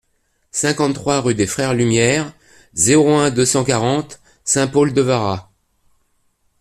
cinquante-trois rue des Frères Lumière, zéro un, deux cent quarante, Saint-Paul-de-Varax